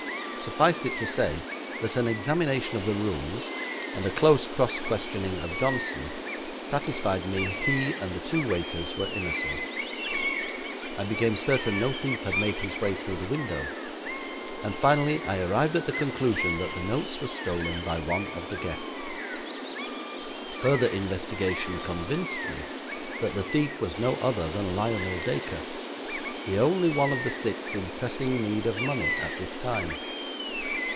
Suffice it to say that an examination of the rooms and a close cross questioning of Johnson satisfied me he and the two waiters were innocent. I became certain no thief had made his way through the window, and finally I arrived at the conclusion that the notes were stolen by one of the guests. Further investigation convinced me that the thief was no other than Lionel Dacre, the only one of the six in pressing need of money at this time.